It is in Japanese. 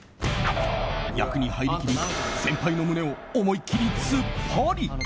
役に入り切り先輩の胸を思い切りツッパリ。